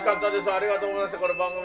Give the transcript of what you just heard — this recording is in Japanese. ありがとうございます。